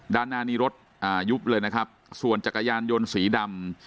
ด้านหน้านี้รถอ่ายุบเลยนะครับส่วนจักรยานยนต์สีดำ